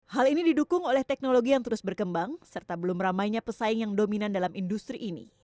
hal ini didukung oleh teknologi yang terus berkembang serta belum ramainya pesaing yang dominan dalam industri ini